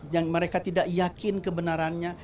yang mereka tidak yakin kebenarannya